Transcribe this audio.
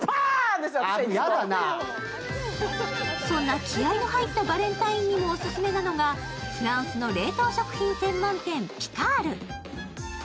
そんな気合いの入ったバレンタインにもオススメなのが、フランスの冷凍食品専門店Ｐｉｃａｒｄ。